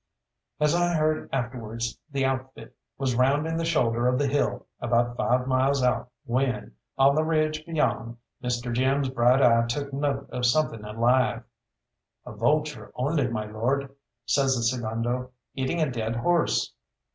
As I heard afterwards, the outfit was rounding the shoulder of the hill about five miles out when, on the ridge beyond, Mr. Jim's bright eye took note of something alive. "A vulture only, my lord," says the segundo, "eating a dead horse."